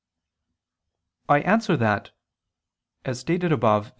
I answer that, As stated above (A.